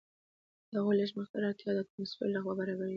د هغوی لږ مقدار اړتیا د اټموسفیر لخوا برابریږي.